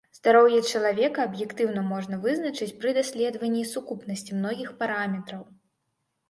Здароўе чалавека аб'ектыўна можна вызначыць пры даследаванні сукупнасці многіх параметраў.